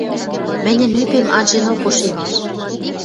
Мӹньӹн ӱпем анженок ошемеш